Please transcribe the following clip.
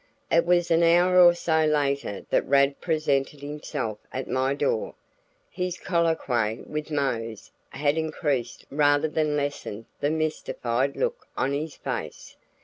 It was an hour or so later that Rad presented himself at my door. His colloquy with Mose had increased rather than lessened the mystified look on his face.